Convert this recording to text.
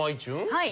はい。